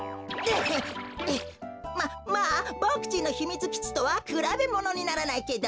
ままあぼくちんのひみつきちとはくらべものにならないけど。